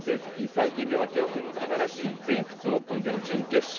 最近では記憶に新しい全仏オープンの準決勝。